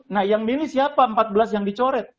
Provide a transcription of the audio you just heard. nah yang milih siapa empat belas yang dicoret